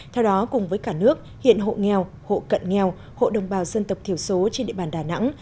theo đó cùng với cả nước hiện hộ nghèo hộ cận nghèo hộ đồng bào dân tộc thiểu số trên địa bàn đà nẵng